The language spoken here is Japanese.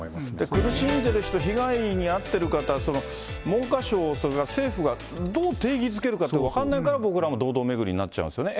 苦しんでる人、被害に遭ってる方、文科省、それから政府がどう定義づけるかって分からないから、僕らも堂々巡りになっちゃうんですよね。